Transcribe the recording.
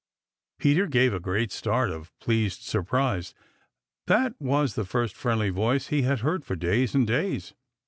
Peter gave a great start of pleased surprise. That was the first friendly voice he had heard for days and days.